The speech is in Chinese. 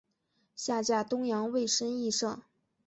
下嫁东阳尉申翊圣。